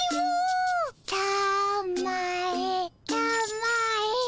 たまえたまえ。